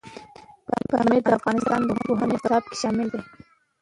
پامیر د افغانستان د پوهنې په نصاب کې شامل دی.